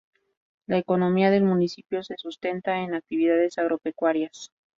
La economía del municipio se sustenta en actividades agropecuarias.